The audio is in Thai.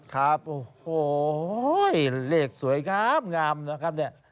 ครับโอ้โหเลขสวยงามนะครับเนี่ย